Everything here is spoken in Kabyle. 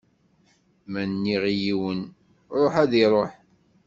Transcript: Ma nniɣ i yiwen: Ṛuḥ, ad iṛuḥ.